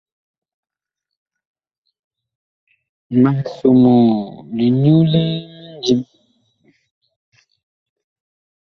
Mag somoo linyu limindim.